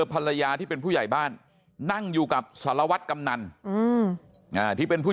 ภรรยาที่เป็นผู้ใหญ่บ้านนั่งอยู่กับสารวัตรกำนันที่เป็นผู้